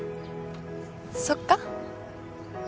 そっか。